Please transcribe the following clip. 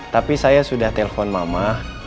tapi saya sudah telpon mama